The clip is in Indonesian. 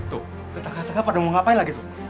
tuh tetangga tetangga pada mau ngapain lagi tuh